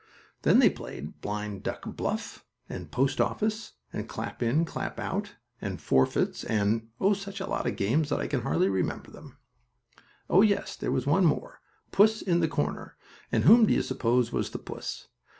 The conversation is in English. Then they played blind duck bluff, and post office and clap in clap out, and forfeits and, oh, such lots of games that I can hardly remember them. Oh, yes, there was one more, puss in the corner, and whom do you suppose was the puss?